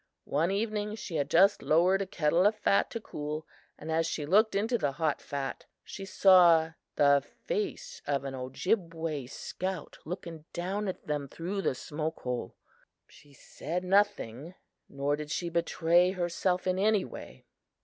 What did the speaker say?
"One evening, she had just lowered a kettle of fat to cool, and as she looked into the hot fat she saw the face of an Ojibway scout looking down at them through the smoke hole. She said nothing, nor did she betray herself in any way.